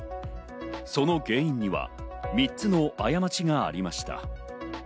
その原因には３つの過ちがありました。